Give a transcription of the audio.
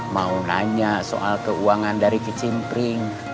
mau nanya soal keuangan dari kecimpring